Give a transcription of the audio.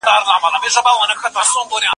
د بنو نُظَير غزا.